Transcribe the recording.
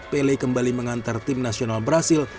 pele kembali mengantar tim nasional brazil